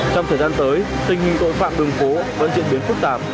trong thời gian tới tình hình tội phạm đường phố vẫn diễn biến phức tạp